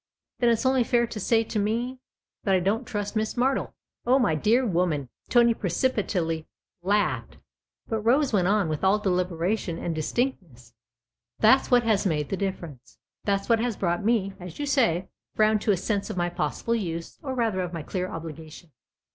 " Then it's only fair to say to me ?"" That I don't trust Miss Martle." " Oh, my dear woman !" Tony precipitately laughed. But Rose went on with all deliberation and dis tinctness. " That's what has made the difference that's what has brought me, as you say, round to a sense of my possible use, or rather of my clear obligation.